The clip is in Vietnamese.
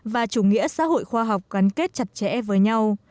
và chủ nghĩa xã hội khoa học gắn kết chặt chẽ với nhau